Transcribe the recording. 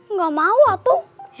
nggak mau atu